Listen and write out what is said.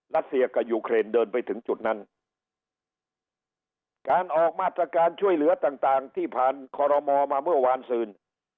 ัสเซียกับยูเครนเดินไปถึงจุดนั้นการออกมาตรการช่วยเหลือต่างต่างที่ผ่านคอรมอมาเมื่อวานซืน